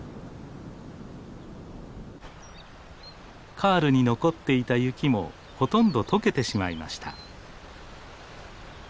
カールに残っていた雪もほとんどとけてしまいました。